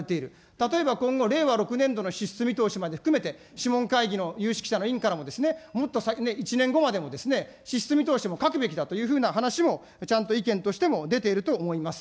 例えば今後、令和６年度の支出見通しまで含めて諮問会議の有識者の委員からも、もっと１年後までもですね、支出見通しも書くべきだという話もちゃんと意見としても出ていると思います。